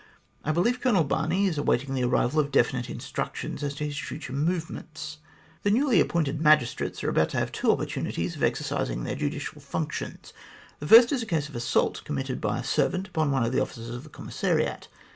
I believe Colonel Barney is awaiting the arrival of definite instructions as to his future movements. The newly appointed magistrates are about to have two opportunities of exercising their judicial functions. The first is a case of assault committed by a servant upon one of the officers of the Commissariat.